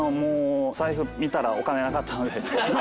財布見たらお金なかったので。